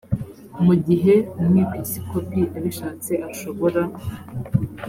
mugihe umwepisikopi abishatse ashobora